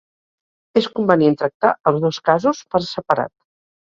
És convenient tractar els dos casos per separat.